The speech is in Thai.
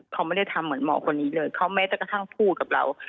เขาไม่ได้ทำเหมือนหมอคนนี้เลยเขาแม้แต่กระทั่งพูดกับเรา